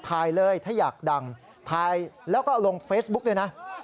ถ่ายเลยถ้าอยากดังถ่ายแล้วก็ลงเฟซบุ๊กด้วยนะ